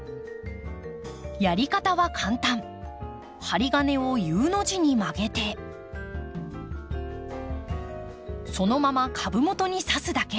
針金をＵの字に曲げてそのまま株元に刺すだけ。